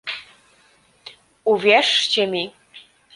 Uwierzcie mi